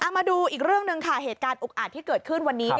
มาดูอีกเรื่องหนึ่งค่ะเหตุการณ์อุกอาจที่เกิดขึ้นวันนี้